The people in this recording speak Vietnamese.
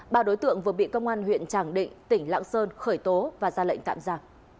ba đối tượng vừa bị công an huyện tràng định tỉnh lạng sơn khởi tố và ra lệnh tạm giả